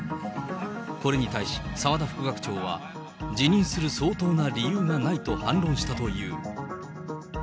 これに対し澤田副学長は、辞任する相当な理由がないと反論したという。